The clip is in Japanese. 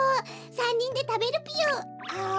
３にんでたべるぴよあむ。